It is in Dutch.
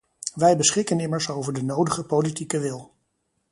Wij beschikken immers over de nodige politieke wil.